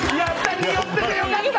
におってて良かった。